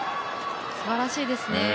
すばらしいですね。